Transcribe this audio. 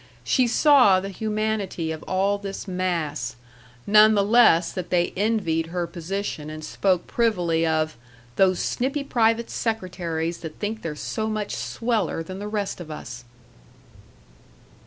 She saw the humanity of all this mass none the less that they envied her position and spoke privily of "those snippy private secretaries that think they're so much sweller than the rest of us."